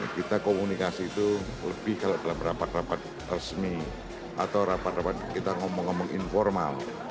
kita komunikasi itu lebih kalau dalam rapat rapat resmi atau rapat rapat kita ngomong ngomong informal